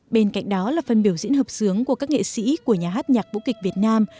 bên cạnh đó là phần biểu diễn hợp sướng của các nghệ sĩ của nhà hát nhạc vũ kịch việt nam